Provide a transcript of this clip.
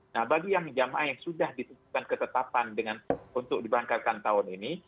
nah bagi yang jamaah yang sudah ditetapkan ketetapan untuk diberangkatkan tahun ini